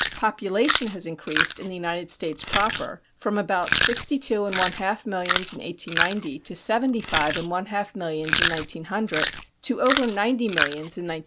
Population has increased in the United States proper from about sixty two and one half millions in 1890 to seventy five and one half millions in 1900 and to over ninety millions in 1910.